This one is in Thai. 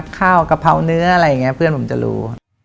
กะเพราเนื้ออะไรอย่างนี้เพื่อนผมจะรู้